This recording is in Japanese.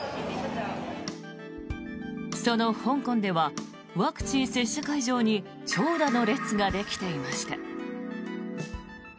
その香港ではワクチン接種会場に長蛇の列ができていました。